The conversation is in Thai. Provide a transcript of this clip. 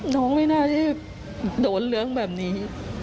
ไม่น่าจะโดนเรื่องแบบนี้